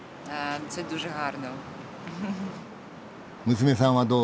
娘さんはどう？